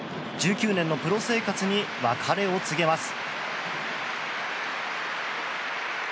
１９年のプロ生活に別れを告げます。